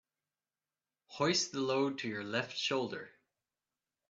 Hoist the load to your left shoulder.